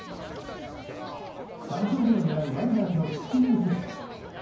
３勝目を狙うマリナーズの菊池雄星。